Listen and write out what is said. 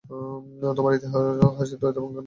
তোমার হাসি কতো ভয়ংকর জানো?